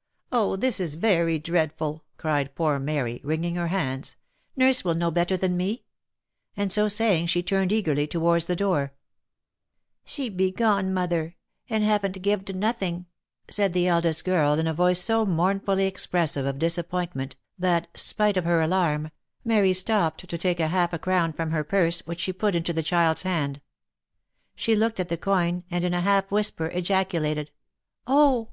" Oh ! this is very dreadful !" cried poor Mary, wringing her hands, "nurse will know better than me," and so saying, she turned eagerly towards the door. OF MICHAEL ARMSTRONG. 129 " She be gone, mother, and haven't gived nothing," said the eldest girl, in a voice so mournfully expressive of disappointment, that, spite of her alarm, Mary stopped to take half a crown from her purse, which she put into the child's hand. She looked at the coin, and in a half whisper ejaculated, " Oh